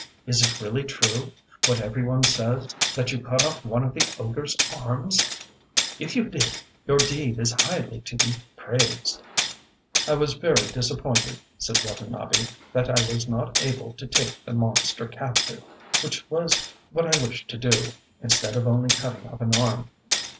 Is it really true, what every one says, that you cut off one of the ogreŌĆÖs arms? If you did, your deed is highly to be praised! ŌĆØ ŌĆ£I was very disappointed, ŌĆØ said Watanabe, ŌĆ£that I was not able take the monster captive, which was what I wished to do, instead of only cutting off an arm!